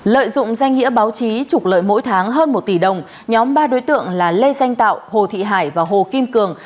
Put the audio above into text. lợi dụng danh nghĩa báo chí trục lợi mỗi tháng hơn một tỷ đồng nhóm ba đối tượng là lê danh tạo hồ thị hải và hồ kim cường